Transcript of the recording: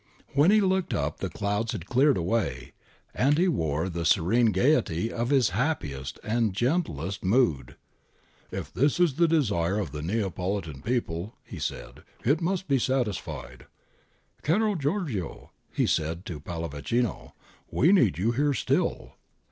When he looked up the clouds had cleared away, and he wore the 'serene gaiety' of his happiest and gentlest mood. ' If this is the desire of the Neapolitan people,' he said, 'it must be satisfied.' * Caro Giorgio,' he said to Pallavicino, 'we need you here still.'